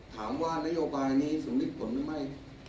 ถามว่านโยบายนี้สมมุติกลมหรือไม่